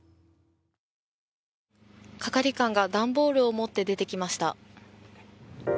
係官が段ボールを持って出てきました。